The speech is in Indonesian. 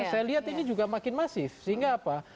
saya lihat ini juga makin masif sehingga apa